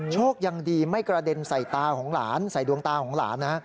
โชคยังดีไม่กระเด็นใส่ตาของหลานใส่ดวงตาของหลานนะ